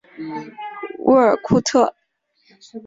乌尔库特。